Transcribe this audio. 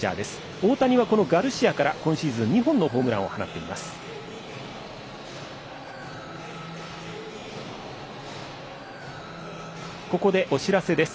大谷はガルシアから今シーズン２本のホームランを放っています。